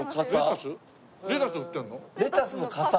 レタスの傘。